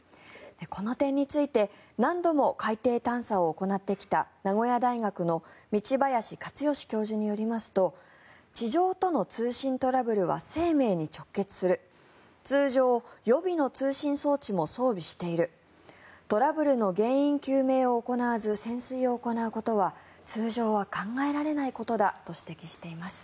この点について何度も海底探査を行ってきた名古屋大学の道林克禎教授によりますと地上との通信トラブルは生命に直結する通常予備の通信装置も装備しているトラブルの原因究明を行わず潜水を行うことは通常は考えられないことだと指摘しています。